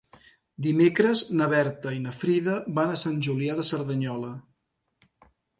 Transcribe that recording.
Dimecres na Berta i na Frida van a Sant Julià de Cerdanyola.